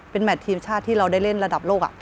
เป็นแมททีมชาติที่เราได้เล่นระดับโลก